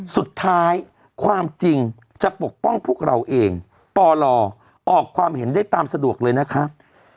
สุดท้ายความจริงจะปกป้องพวกเราเองปลออกความเห็นได้ตามสะดวกเลยนะครับ